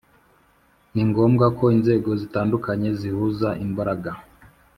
ningombwa ko inzego zitandukanye zihuza imbaraga